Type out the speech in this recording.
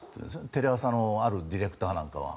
テレ朝のあるディレクターなんかは。